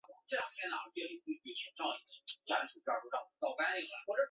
这些恒等式在表达式中有些双曲函数需要简化的时候是很有用的。